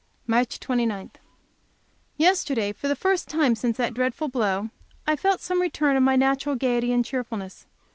March 29 Yesterday, for the first time since that dreadful blow, I felt some return of my natural gayety and cheerfulness.